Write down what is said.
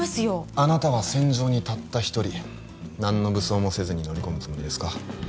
あなたは戦場にたった一人何の武装もせずに乗り込むつもりですか？